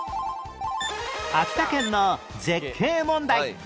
秋田県の絶景問題